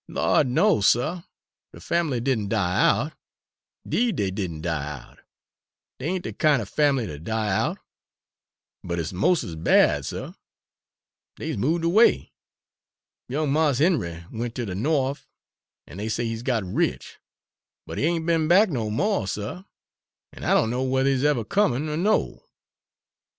"Lawd, no, suh, de fambly did n' die out 'deed dey did n' die out! dey ain't de kind er fambly ter die out! But it's mos' as bad, suh dey's moved away. Young Mars Henry went ter de Norf, and dey say he's got rich; but he ain't be'n back no mo', suh, an' I don' know whether he's ever comin' er no."